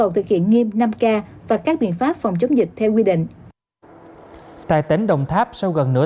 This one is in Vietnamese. thực hiện nghiêm năm k và các biện pháp phòng chống dịch theo quy định tại tỉnh đồng tháp sau gần nửa